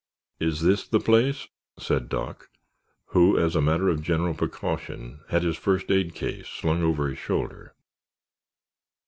"Is this the place?" said Doc who, as a matter of general precaution, had his first aid case slung over his shoulder.